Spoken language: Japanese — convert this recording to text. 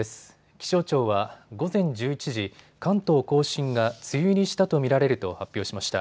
気象庁は午前１１時、関東甲信が梅雨入りしたと見られると発表しました。